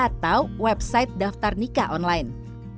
atau website daftar nikah online